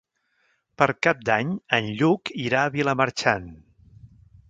Per Cap d'Any en Lluc irà a Vilamarxant.